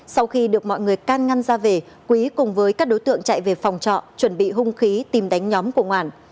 sau khi được mọi người can ngăn ra về quý cùng với các đối tượng chạy về phòng trọ chuẩn bị hung khí tìm đánh nhóm của ngoản